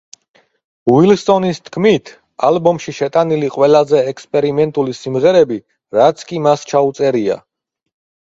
უილსონის თქმით, ალბომში შეტანილი ყველაზე ექსპერიმენტული სიმღერები, რაც კი მას ჩაუწერია.